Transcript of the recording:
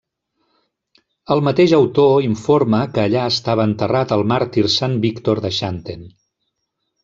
El mateix autor informa que allà estava enterrat el màrtir sant Víctor de Xanten.